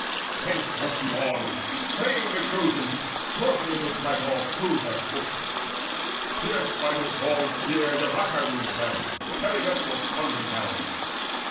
Thence rushed he on Slaying the Trojans, storming in his might All through their fortress: pierced by his long spear Eurycoon fell, Perimnestor's son renowned.